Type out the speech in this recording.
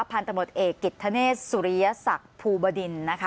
พันธมตนเอกกิตธเนศสุรยสักภูบดิน